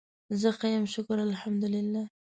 زه ښه یم شکر الحمدالله